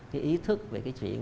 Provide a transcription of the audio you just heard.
cái ý thức về cái chuyện